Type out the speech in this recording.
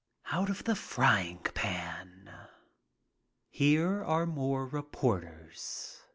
"Out of the frying pan." Here are more reporters.